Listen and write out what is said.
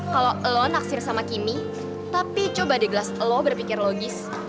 kalau lo naksir sama kimmy tapi coba deh gelas lo berpikir logis